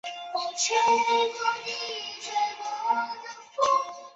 敬礼是通过某种特定的姿势或行动向对方表示致敬的身体动作或类似行为。